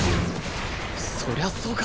そりゃそうか！